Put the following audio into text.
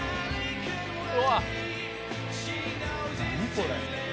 これ。